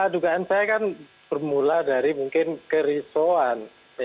dugaan saya kan bermula dari mungkin kerisauan